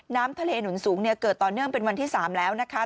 น้ำทะเลหนุนสูงเกิดต่อเนื่องเป็นวันที่๓แล้วนะคะ